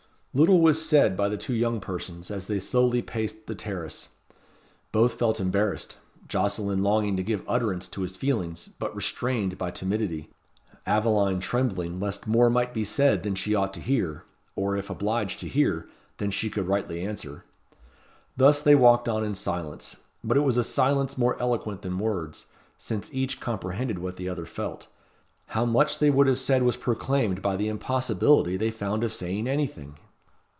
Little was said by the two young persons, as they slowly paced the terrace. Both felt embarrassed: Jocelyn longing to give utterance to his feelings, but restrained by timidity Aveline trembling lest more might be said than she ought to hear, or if obliged to hear, than she could rightly answer. Thus they walked on in silence. But it was a silence more eloquent than words, since each comprehended what the other felt. How much they would have said was proclaimed by the impossibility they found of saying anything!